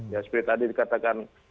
ya seperti tadi dikatakan